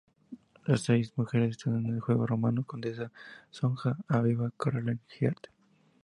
Las seis mujeres están en el juego: Ramona, Condesa, Sonja, Aviva, Carole y Heather.